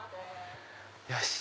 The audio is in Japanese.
よし！